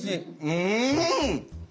うん！